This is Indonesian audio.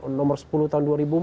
nomor sepuluh tahun dua ribu empat